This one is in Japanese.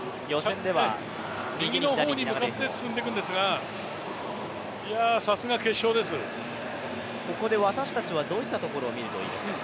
右の方に向かって進んでいくんですがここで私たちはどういったところを見るといいですか。